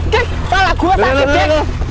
cepet kepala gue sakit cepet